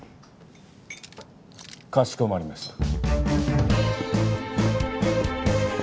かしこまりました。